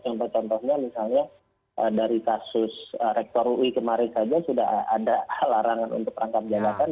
contoh contohnya misalnya dari kasus rektor ui kemarin saja sudah ada larangan untuk rangkap jabatan